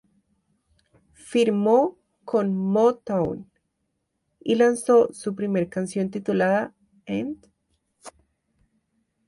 Firmó con Motown y lanzó su primer canción titulada "And?".